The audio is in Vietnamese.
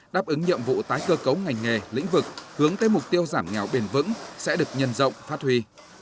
đáp ứng nhiệm vụ tái cơ cấu ngành nghề lĩnh vực hướng tới mục tiêu giảm nghèo bền vững sẽ được nhân rộng phát huy